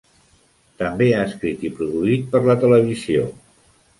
També ha escrit i produït per la televisió.